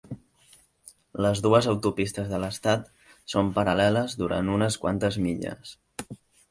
Les dues autopistes de l'estat són paral·leles durant unes quantes milles.